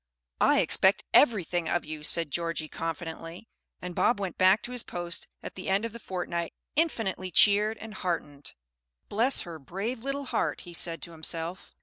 "I expect everything of you," said Georgie confidently. And Bob went back to his post at the end of the fortnight infinitely cheered and heartened. "Bless her brave little heart!" he said to himself.